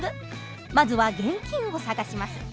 まずは現金を探します。